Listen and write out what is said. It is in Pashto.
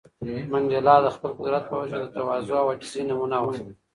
منډېلا د خپل قدرت په اوج کې د تواضع او عاجزۍ نمونه و.